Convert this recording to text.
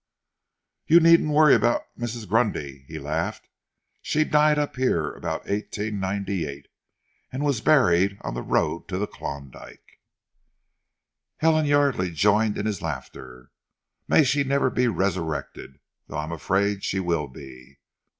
"You needn't worry about Mrs. Grundy," he laughed. "She died up here about 1898, and was buried on the road to the Klondyke." Helen Yardely joined in his laughter. "May she never be resurrected though I am afraid she will be.